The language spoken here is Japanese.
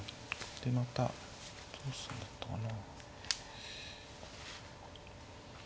またどうすんだったかな。